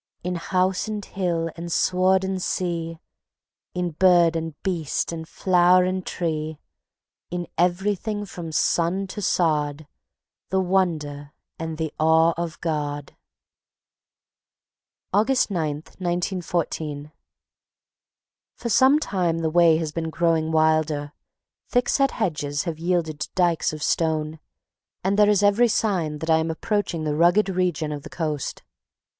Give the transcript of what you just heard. In house and hill and sward and sea, In bird and beast and flower and tree, In everything from sun to sod, The wonder and the awe of God. August 9, 1914. For some time the way has been growing wilder. Thickset hedges have yielded to dykes of stone, and there is every sign that I am approaching the rugged region of the coast.